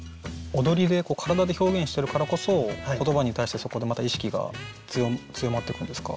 踊りで体で表現してるからこそ言葉に対してそこでまた意識が強まっていくんですか？